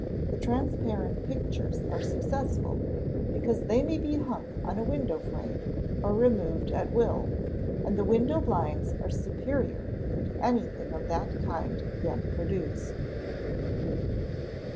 The transparent pictures are successful, because they may be hung on a window frame or removed at will, and the window blinds are superior to anything of that kind yet produced.